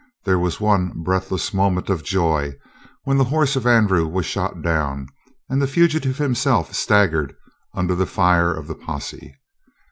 There was one breathless moment of joy when the horse of Andrew was shot down and the fugitive himself staggered under the fire of the posse.